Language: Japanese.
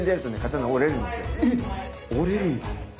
えっ⁉折れるんだ。